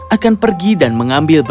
akan pergi dan mengambil